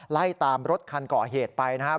ไล่ตามรถคันก่อเหตุไปนะครับ